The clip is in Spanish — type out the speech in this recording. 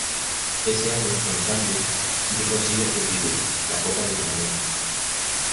Ese año, en cambio, si que consigue un título, la Copa de Rumania.